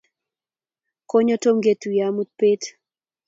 Konyo Tom ketuiye amut pet